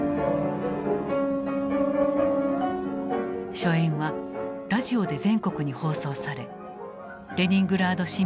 初演はラジオで全国に放送されレニングラード市民を勇気づけた。